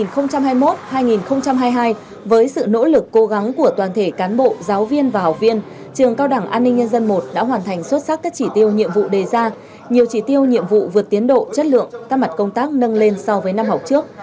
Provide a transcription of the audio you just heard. năm học hai nghìn hai mươi một hai nghìn hai mươi hai với sự nỗ lực cố gắng của toàn thể cán bộ giáo viên và học viên trường cao đẳng an ninh nhân dân i đã hoàn thành xuất sắc các chỉ tiêu nhiệm vụ đề ra nhiều chỉ tiêu nhiệm vụ vượt tiến độ chất lượng các mặt công tác nâng lên so với năm học trước